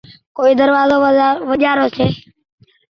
ڪوئي دروآزو وجهآ رو ڇي